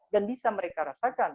dan bisa mereka rasakan